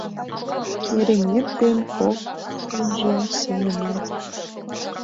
Керемет дене коктынжо сеҥена...